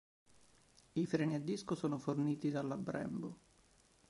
I freni a disco sono forniti dalla Brembo.